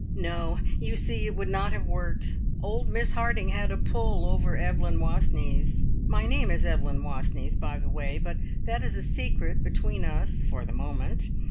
"No! you see it would not have worked. Old Miss Harding had a pull over Evelyn Wastneys. My name is Evelyn Wastneys, by the way, but that is a secret between us for the moment.